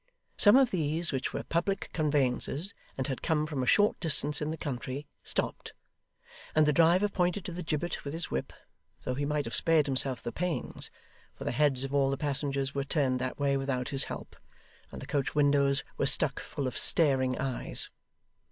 Some of these which were public conveyances and had come from a short distance in the country, stopped; and the driver pointed to the gibbet with his whip, though he might have spared himself the pains, for the heads of all the passengers were turned that way without his help, and the coach windows were stuck full of staring eyes.